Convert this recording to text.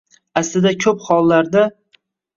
Aslida, ko‘p hollarda